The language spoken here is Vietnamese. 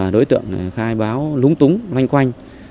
đối tượng khai báo lúng túng loanh quanh